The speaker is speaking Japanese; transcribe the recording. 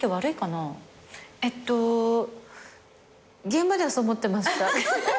現場ではそう思ってました。